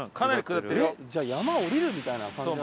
じゃあ山下りるみたいな感じ。